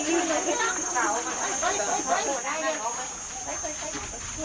รถน้ำหน้า